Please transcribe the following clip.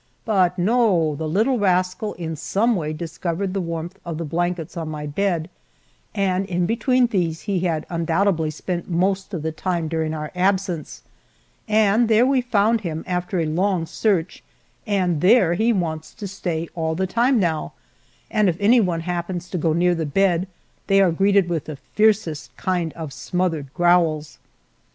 But no, the little rascal in some way discovered the warmth of the blankets on my bed, and in between these he had undoubtedly spent most of the time during our absence, and there we found him after a long search, and there he wants to stay all the time now, and if anyone happens to go near the bed they are greeted with the fiercest kind of smothered growls.